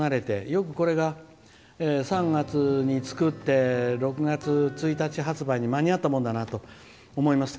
よく、これが３月に作ってよく６月１日発売に間に合ったもんだなと思います。